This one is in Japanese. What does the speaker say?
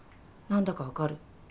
何だか分かる？